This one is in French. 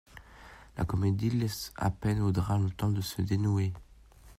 La comédie laisse à peine au drame le temps de se dénouer.